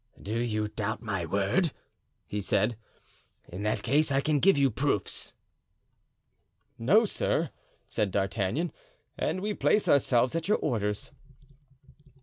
"Do you doubt my word?" he said. "In that case I can give you proofs." "No, sir," said D'Artagnan; "and we place ourselves at your orders."